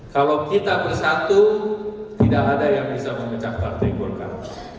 kalau kita bersatu tidak ada yang bisa memecah partai golkar